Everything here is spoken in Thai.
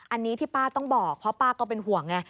อันนี้ที่ป้าต้องบอกเพราะป้าก็เป็นห่วงไง